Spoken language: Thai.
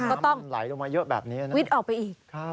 ก็ต้องวิดออกไปอีก